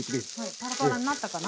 パラパラになったかな？